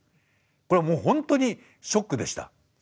これもう本当にショックでした。